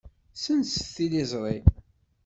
Ssenset tiliẓri.